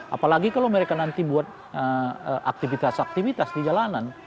apalagi kalau mereka nanti buat aktivitas aktivitas di jalanan